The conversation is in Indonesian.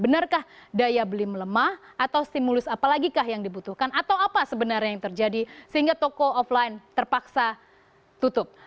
benarkah daya beli melemah atau stimulus apalagi kah yang dibutuhkan atau apa sebenarnya yang terjadi sehingga toko offline terpaksa tutup